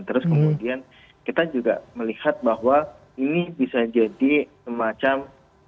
terus kemudian kita juga melihat bahwa ini bisa jadi semacam